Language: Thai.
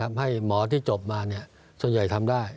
เพราะให้หมอที่จบมาเนี่ยส่วนใหญ่ทำได้